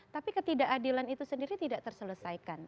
tapi ketidak adilan itu sendiri tidak terselesaikan